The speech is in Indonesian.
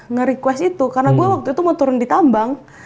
nge request itu karena gue waktu itu mau turun di tambang